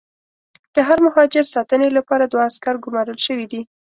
د هر مهاجر ساتنې لپاره دوه عسکر ګومارل شوي دي.